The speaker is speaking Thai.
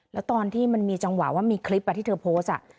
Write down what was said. แล้วตอนที่มันมีจังหวะว่ามีคลิปที่เธอโพสต์